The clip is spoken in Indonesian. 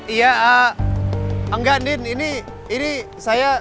iya ah enggak din ini ini saya